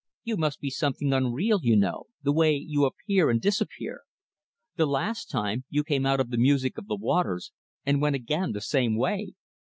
"You must be something unreal, you know the way you appear and disappear. The last time, you came out of the music of the waters, and went again the same way.